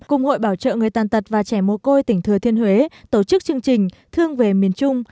cùng hội bảo trợ người tàn tật và trẻ mồ côi tỉnh thừa thiên huế tổ chức chương trình thương về miền trung